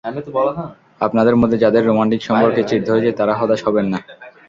আপনাদের মধ্যে যাঁদের রোমান্টিক সম্পর্কে চিড় ধরেছে, তাঁরা হতাশ হবেন না।